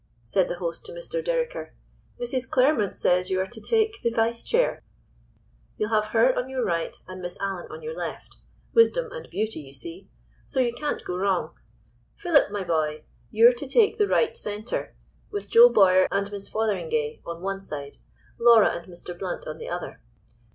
said the host to Mr. Dereker, "Mrs. Claremont says you are to take the vice chair; you'll have her on your right and Miss Allan on your left—wisdom and beauty, you see—so you can't go wrong. Philip, my boy! you're to take the right centre, with Joe Bowyer and Miss Fotheringay on one side, Laura and Mr. Blount on the other.